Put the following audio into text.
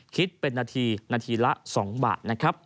คิดเป็นนาทีนาทีละ๒บาท